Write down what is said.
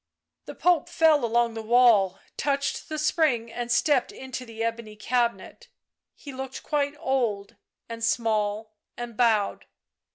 ... The Pope felt along the wall, touched the spring and stepped into the ebony cabinet. He looked quite old and small and bowed.